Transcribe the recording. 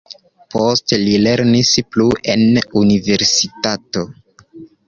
Poste li lernis plu en universitato.